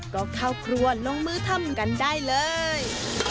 ก็เข้าครัวลงมือทำกันได้เลย